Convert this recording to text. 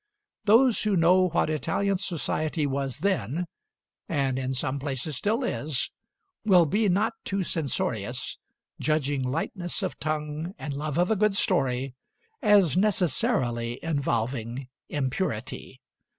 Those who know what Italian society was then, and in some places still is, will be not too censorious, judging lightness of tongue and love of a good story as necessarily involving impurity.